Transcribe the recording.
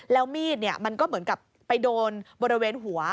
แล้วมีดมันก็เหมือนกับไปโดนบริเวณหัว